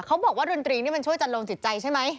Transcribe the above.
บอกว่าดนตรีนี่มันช่วยจันโลงจิตใจใช่ไหม